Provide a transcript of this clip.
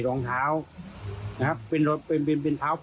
และก็คือว่าถึงแม้วันนี้จะพบรอยเท้าเสียแป้งจริงไหม